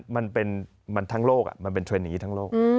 มันเป็นทั้งโลกมันเป็นเทรนด์อย่างนี้ทั้งโลก